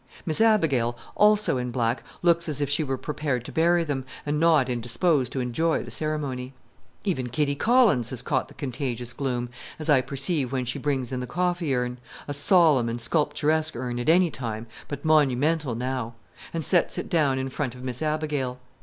Miss Abigail, also in black, looks as if she were prepared to bury them, and not indisposed to enjoy the ceremony. Even Kitty Collins has caught the contagious gloom, as I perceive when she brings in the coffee urn a solemn and sculpturesque urn at any time, but monumental now and sets it down in front of Miss Abigail.